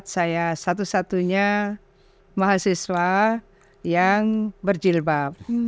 delapan puluh empat saya satu satunya mahasiswa yang berjilbab